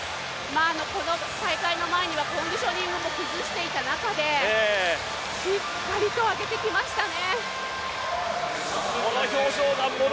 この大会の前には、コンディショニングを崩していた中で最高のレースでしたね。